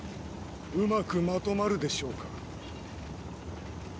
うまくまとまるでしょうか？